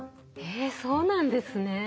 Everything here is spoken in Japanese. えそうなんですね。